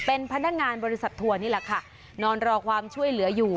เป็นพนักงานบริษัททัวร์นี่แหละค่ะนอนรอความช่วยเหลืออยู่